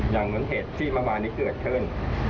อย่างเหมือนเหตุที่ประมาณนี้เกิดขึ้น